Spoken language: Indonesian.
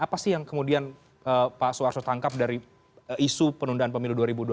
apa sih yang kemudian pak suarso tangkap dari isu penundaan pemilu dua ribu dua puluh